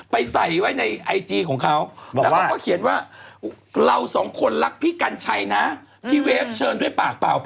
ไปใส่ไว้ในไอจีของเขา